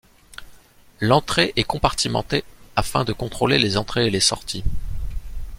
L'entrée est compartimentée afin de contrôler les entrées et les sorties.